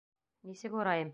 Нисек урайым?